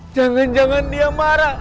jangan jangan dia marah